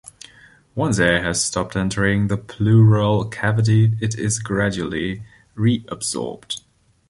Once air has stopped entering the pleural cavity, it is gradually reabsorbed.